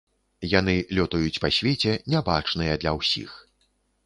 Яны лётаюць па свеце, нябачныя для ўсіх.